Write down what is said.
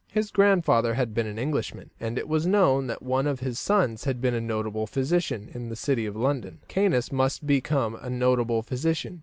His grandfather had been an Englishman, and it was known that one of the sons had been a notable physician in the city of London: Caius must become a notable physician.